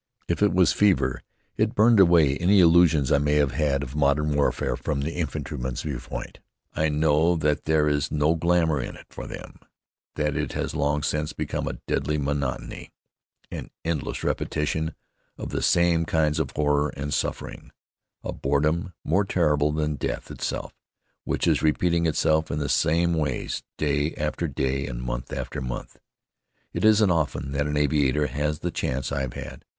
If it was fever, it burned away any illusions I may have had of modern warfare from the infantryman's viewpoint. I know that there is no glamour in it for them; that it has long since become a deadly monotony, an endless repetition of the same kinds of horror and suffering, a boredom more terrible than death itself, which is repeating itself in the same ways, day after day and month after month. It isn't often that an aviator has the chance I've had.